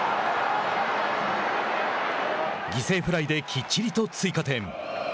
犠牲フライできっちりと追加点。